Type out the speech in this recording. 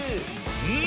うん！